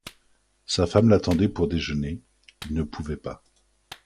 Sa femme l'attendait pour déjeuner, il ne pouvait pas.